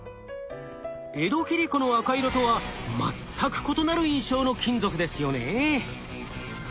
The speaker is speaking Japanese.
江戸切子の赤色とは全く異なる印象の金属ですよね。